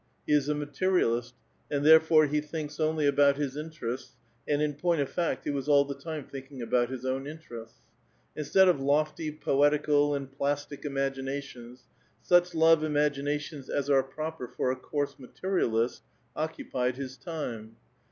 He is a materialist, and tliere£ore he thinks only about his inter ests, and in point of fact, he was all the time thinking about his own interests. Instead of lofty, poetical, and plastic imaginations, such love imaginations as are proper for a coarse materialist occupied his time.